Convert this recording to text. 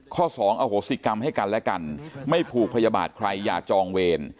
ข้อสองอโหสิกรรมให้กันและกันไม่ผูกพยาบาลใครอย่าจองเวร